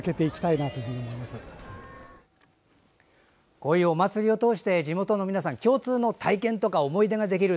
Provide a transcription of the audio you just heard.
こういうお祭りを通して地元の皆さん共通の体験とか思い出ができる。